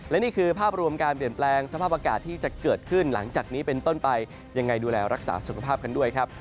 และนี่คือภาพรวมการเปลี่ยนแปลงสภาพอากาศที่จะเกิดขึ้นหลังจากนี้เป็นต้นไปยังไงดูแลรักษาสุขภาพกันด้วยครับ